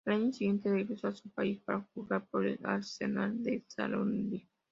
Al año siguiente regresó a su país para jugar por el Arsenal de Sarandí.